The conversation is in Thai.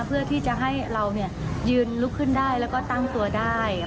เพื่อที่จะให้เรายืนลุกขึ้นได้แล้วก็ตั้งตัวได้